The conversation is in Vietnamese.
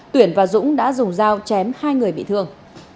tuyển và dũng đã dùng dao chém hai người bị thương